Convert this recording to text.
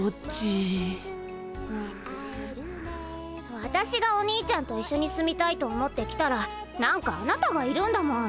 わたしがお兄ちゃんと一緒に住みたいと思ってきたら何かあなたがいるんだもん。